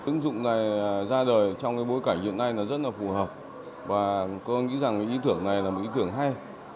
ứng dụng này ra đời trong cái bối cảnh hiện nay nó rất là phù hợp và tôi nghĩ rằng ý tưởng này là một ý tưởng hay